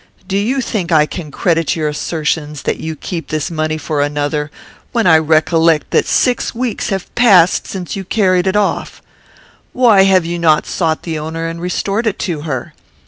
Do you think I can credit your assertions that you keep this money for another, when I recollect that six weeks have passed since you carried it off? Why have you not sought the owner and restored it to her?